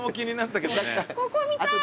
ここ見たい私。